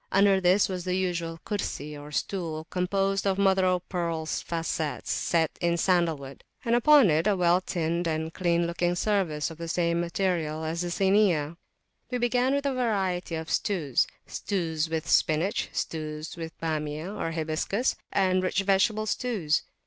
Under this was the usual Kursi, or stool, composed of mother o pearl facets set in sandal wood; and upon it a well tinned and clean looking service of the same material as the Sini. We began with a variety of stewsstews with spinach, stews with Bamiyah (hibiscus), and rich vegetable stews.